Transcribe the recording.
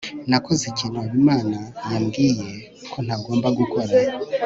nakoze ikintu habimana yambwiye ko ntagomba gukora